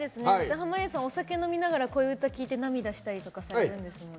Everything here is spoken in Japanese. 濱家さん、お酒飲みながらこういう歌聴いたりして涙したりとかされるんですもんね。